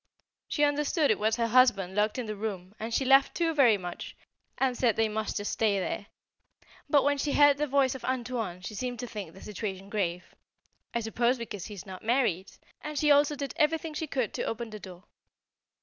She understood it was her husband locked in the room, and she laughed too very much, and said they must just stay there; but when she heard the voice of "Antoine" she seemed to think the situation grave I suppose because he is not married and she also did everything she could to open the door.